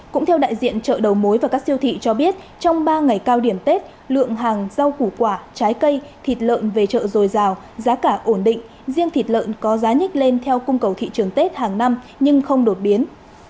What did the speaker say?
cũng theo đại diện chợ đầu mối và các siêu thị cho biết trong ba ngày cao điểm tết lượng hàng rau củ quả trái cây thịt lợn về chợ dồi dào giá cả ổn định riêng thịt lợn có giá nhích lên theo cung cầu thị trường tết hàng năm nhưng không đột biến